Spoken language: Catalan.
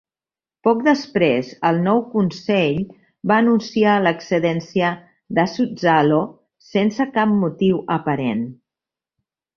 Poc després, el nou consell va anunciar l'"excedència" de Suzzallo sense cap motiu aparent.